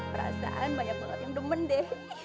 perasaan banyak banget yang demen deh